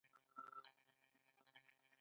خو هڅه کول زموږ دنده ده.